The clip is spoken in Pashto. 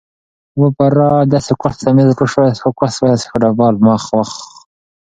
که ښځې وزیرانې شي نو وزارتونه به بې کاره نه وي.